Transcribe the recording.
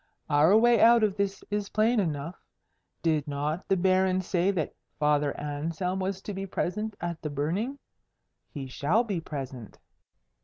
Our way out of this is plain enough. Did not the Baron say that Father Anselm was to be present at the burning? He shall be present."